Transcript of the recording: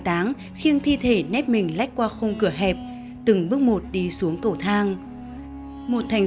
táng khiêng thi thể nếp mình lách qua khung cửa hẹp từng bước một đi xuống cầu thang một thành